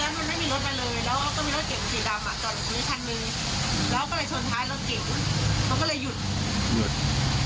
หยุด